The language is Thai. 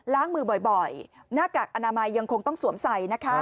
ล้างมือบ่อยหน้ากากอนามัยยังคงต้องสวมใส่นะคะ